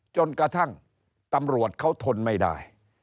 จนกระทั่งตำรวจเขาทนไม่ได้